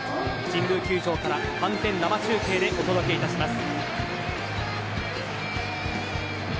神宮球場から完全生中継でお届けいたします。